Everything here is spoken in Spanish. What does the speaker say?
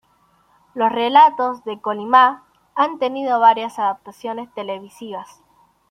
Los "Relatos de Kolymá" han tenido varias adaptaciones televisivas.